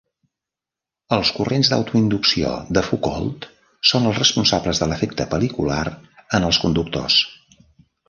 Els corrents d'autoinducció de Foucault són els responsables de l'efecte pel·licular en els conductors.